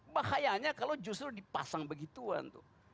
bahayanya kalau justru dipasang begituan tuh